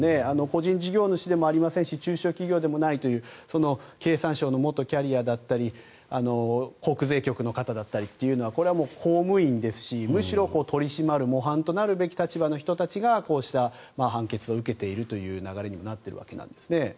個人事業主でもありませんし中小企業でもないという経産省の元キャリアだったり国税局の方だったりはこれはもう公務員ですしむしろ取り締まる模範となるべき立場の人たちがこうした判決を受けているという流れにもなっているわけなんですね。